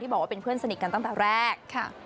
บอกว่าเป็นเพื่อนสนิทกันตั้งแต่แรก